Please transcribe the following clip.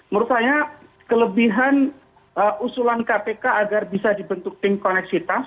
menurut saya kelebihan usulan kpk agar bisa dibentuk tim koneksitas